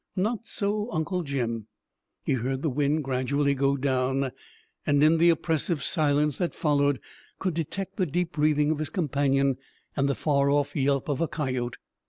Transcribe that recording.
Not so Uncle Jim. He heard the wind gradually go down, and in the oppressive silence that followed could detect the deep breathing of his companion and the far off yelp of a coyote.